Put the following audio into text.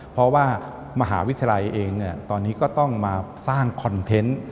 เพราะว่ามหาวิทยาลัยเองตอนนี้ก็ต้องมาสร้างคอนเทนต์